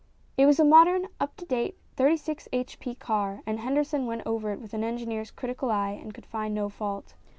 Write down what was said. It was a modern, up to date, 36 h.p. car, and Henderson went over it with an engineer's critical eye and could find no fault.